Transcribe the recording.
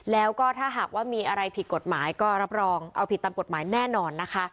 แล้วก็ถ้าหากว่ามีอะไรผิดกฎหมายก็รับรองเอาผิดตามกฎหมายแน่นอนนะคะ